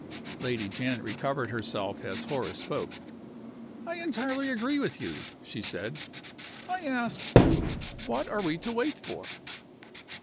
Lady Janet recovered herself as Horace spoke. "I entirely agree with you," she said. "I ask, too, what are we to wait for?"